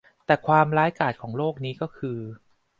แต่ความร้ายกาจของโรคนี้ก็คือ